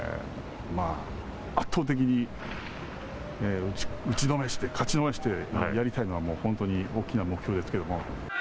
圧倒的に打ちのめして勝ちのめしてやりたいのが大きな目標ですけども。